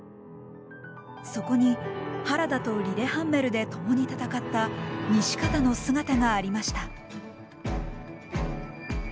そこに原田とリレハンメルで共に戦った西方の姿がありました。